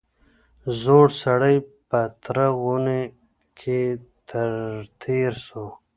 زوړ سړی په تره غونې کي تر تېر سو